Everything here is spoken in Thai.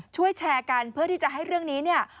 แชร์กันเพื่อที่จะให้เรื่องนี้เนี่ย